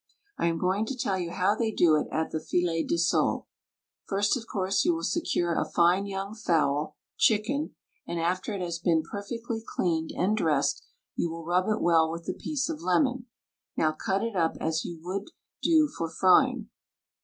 I am going to tell you how they do it at the "Filet der Sole." First of course you will secure a fine young fowt — chicken — and, after it has been perfectly cleaned andi dressed, you will rub it well with a piece of lemon. Now cut it up as you would for frying.